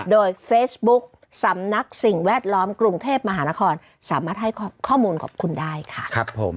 โดยเฟซบุ๊กสำนักสิ่งแวดล้อมกรุงเทพมหานครสามารถให้ข้อมูลขอบคุณได้ค่ะ